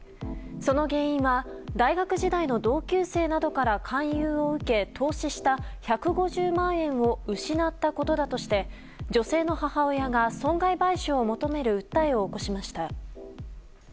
その原因は大学時代の同級生などから勧誘を受け投資した１５０万円を失ったことだとして女性の母親が損害賠償を求める訴えを起こしました。